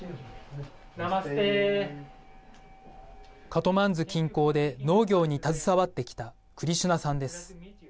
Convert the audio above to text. カトマンズ近郊で農業に携わってきたクリシュナさんです。